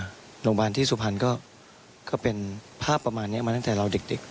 โรงพยาบาลที่สุพรรณก็เป็นภาพประมาณนี้มาตั้งแต่เราเด็ก